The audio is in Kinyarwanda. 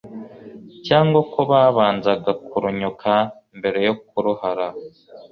cyangwa ko babanzaga kurunyuka mbere yo kuruhara